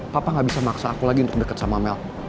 papa gak bisa maksa aku lagi untuk deket sama mel